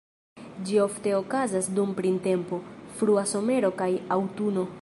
Ĝi ofte okazas dum printempo, frua somero kaj aŭtuno.